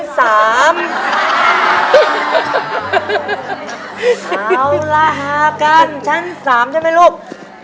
เอาละหากันชั้น๓ใช่ไหมลูก